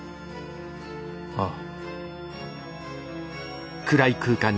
ああ。